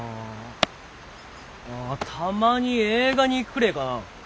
あたまに映画に行くくれえかな。